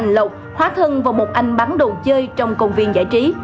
nghệ sĩ ưu tú thành lộc hóa thân vào một anh bắn đồ chơi trong công viên giải trí